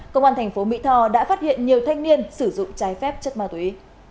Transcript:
công an thành phố mỹ tho đã phát hiện nhiều thanh niên sử dụng trái phép chất ma túy